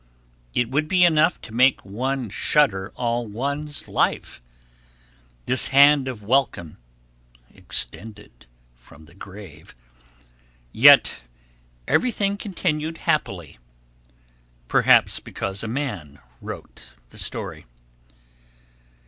It would be enough to make one shudder all one's life this hand of welcome extended from the grave. Yet everything continued happily perhaps because a man wrote the story.